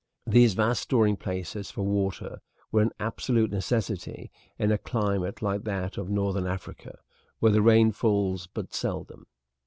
These vast storing places for water were an absolute necessity in a climate like that of Northern Africa, where the rain falls but seldom.